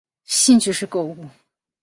兴趣是购物。